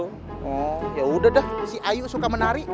oh yaudah deh si ayu suka menari